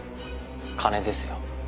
金ですよ。